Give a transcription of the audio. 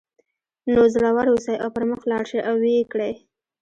نو زړور اوسئ او پر مخ لاړ شئ او ویې کړئ